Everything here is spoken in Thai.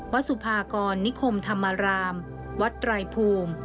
สุภากรนิคมธรรมรามวัดไตรภูมิ